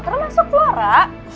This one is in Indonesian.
karena masuk luara